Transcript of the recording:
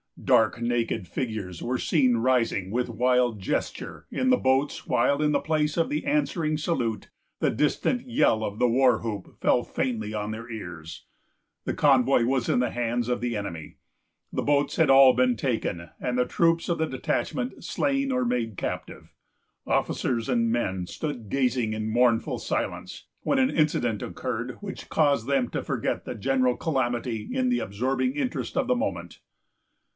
Dark naked figures were seen rising, with wild gesture, in the boats, while, in place of the answering salute, the distant yell of the war whoop fell faintly on their ears. The convoy was in the hands of the enemy. The boats had all been taken, and the troops of the detachment slain or made captive. Officers and men stood gazing in mournful silence, when an incident occurred which caused them to forget the general calamity in the absorbing interest of the moment.